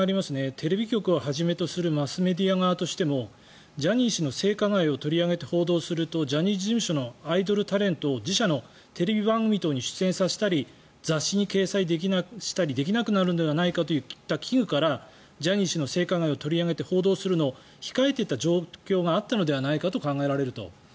テレビ局をはじめとするマスメディア側としてもジャニー氏の性加害を取り上げて報道するとジャニーズ事務所のアイドルタレントを自社のテレビ番組等に出演させたり雑誌に掲載したりできなくなるのではといった危惧からジャニー氏の性加害を取り上げて報道するのを控えていた状況があったのではないかと考えられると。